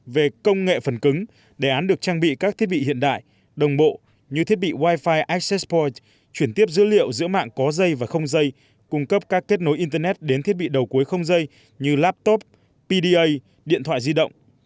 về công nghệ phần cứng đề án được trang bị các thiết bị hiện đại đồng bộ như thiết bị wifi aseso chuyển tiếp dữ liệu giữa mạng có dây và không dây cung cấp các kết nối internet đến thiết bị đầu cuối không dây như laptop pda điện thoại di động